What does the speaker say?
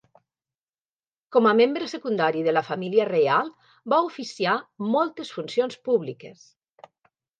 Com a membre secundari de la família reial, va oficiar moltes funcions públiques.